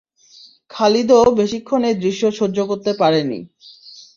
খালিদও বেশিক্ষণ এই দৃশ্য সহ্য করতে পারেনি।